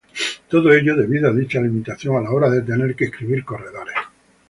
Todo ello debido a dicha limitación a la hora de tener que inscribir corredores.